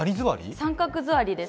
三角座りです。